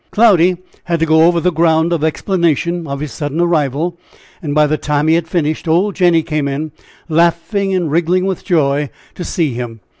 Cloudy had to go over the ground of explanation of his sudden arrival, and by the time he had finished, old Jenny came in, laughing and wriggling with joy to see him.